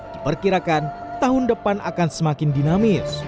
diperkirakan tahun depan akan semakin dinamis